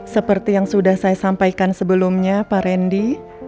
seperti yang sudah saya sampaikan sebelumnya pak randy